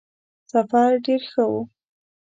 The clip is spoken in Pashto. سفر ډېر ښه وو.